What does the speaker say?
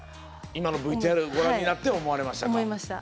今のＶＴＲご覧になって思われましたか。